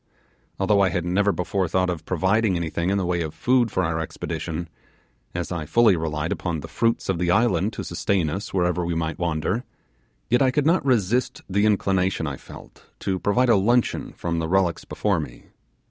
Although I had never before thought of providing anything in the way of food for our expedition, as I fully relied upon the fruits of the island to sustain us wherever we might wander, yet I could not resist the inclination I felt to provide luncheon from the relics before me.